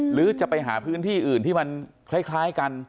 หรือจะไปหาพื้นที่อื่นที่มันคล้ายกัน